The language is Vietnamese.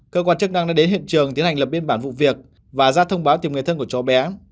cơ quan chức năng đã đến hiện trường tiến hành lập biên bản vụ việc và ra thông báo tìm người thân của cháu bé